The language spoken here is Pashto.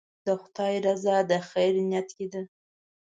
د خدای رضا د خیر نیت کې ده.